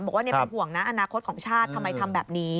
บอกว่าเป็นห่วงนะอนาคตของชาติทำไมทำแบบนี้